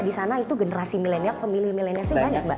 di sana itu generasi milenial pemilih milenialsnya banyak mbak